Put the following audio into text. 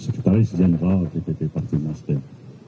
sekretaris jenderal dpp partai nasdem